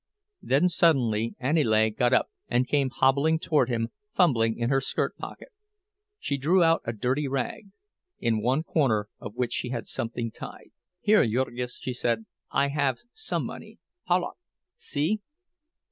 Then suddenly Aniele got up and came hobbling toward him, fumbling in her skirt pocket. She drew out a dirty rag, in one corner of which she had something tied. "Here, Jurgis!" she said, "I have some money. Palauk! See!"